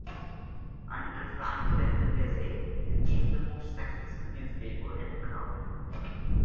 Under Franklin The Gazette became the most successful newspaper in the colonies.